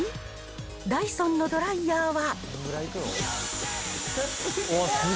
ダイソンのドライヤーは。